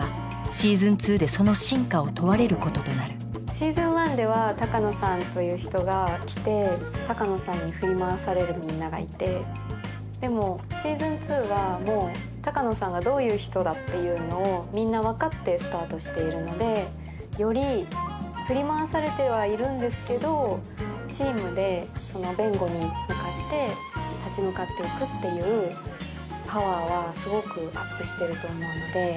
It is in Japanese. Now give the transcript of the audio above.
「Ｓｅａｓｏｎ１」では鷹野さんという人が来て鷹野さんに振り回されるみんながいてでも「Ｓｅａｓｏｎ２」はもう鷹野さんがどういう人だっていうのをみんな分かってスタートしているのでより振り回されてはいるんですけどチームでその弁護に向かって立ち向かっていくっていうパワーはすごくアップしてると思うので。